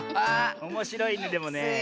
おもしろいねでもねえ。